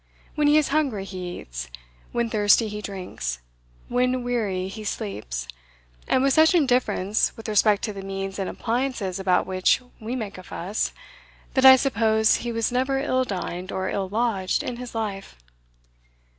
When he is hungry he eats; when thirsty he drinks; when weary he sleeps; and with such indifference with respect to the means and appliances about which we make a fuss, that I suppose he was never ill dined or ill lodged in his life.